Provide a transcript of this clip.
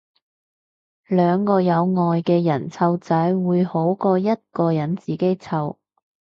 兩個有愛嘅人湊仔會好過一個人自己湊